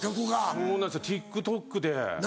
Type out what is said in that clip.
そうなんですよＴｉｋＴｏｋで。